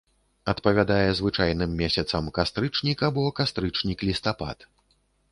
Адпавядае звычайным месяцам кастрычнік або кастрычнік-лістапад.